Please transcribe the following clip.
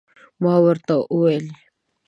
ما ورته وویل